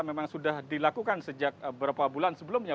memang sudah dilakukan sejak beberapa bulan sebelumnya